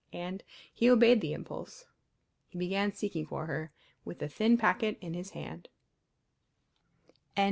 And he obeyed the impulse. He began seeking for her, with the thin packet in his hand.